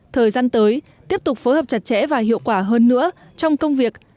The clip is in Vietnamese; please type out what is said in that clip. thời gian tới tiếp tục phối hợp chặt chẽ và hiệu quả hơn nữa trong công việc